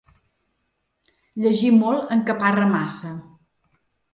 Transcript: Llegir molt encaparra massa.